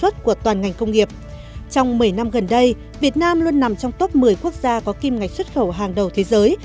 trong một mươi năm gần đây việt nam luôn nằm trong top một mươi quốc gia có kim ngạch xuất khẩu hàng đầu thế giới